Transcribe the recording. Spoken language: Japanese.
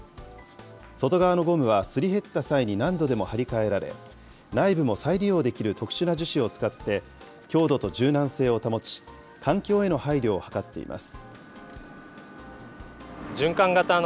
外側のゴムはすり減った際に何度でも張り替えられ、内部も再利用できる特殊な樹脂を使って、強度と柔軟性を保ち、環境への配慮を図っています。